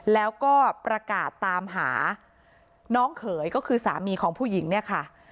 แล้วก็ประกาศตามหาน้องเขยก็คือสามีของผู้หญิงเนี่ยค่ะ